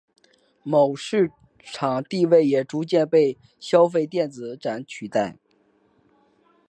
其市场地位也逐渐被消费电子展取代。